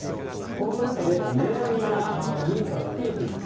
コロナ禍で値上げの認可が増えています。